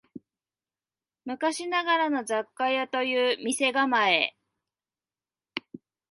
昔ながらの雑貨屋という店構え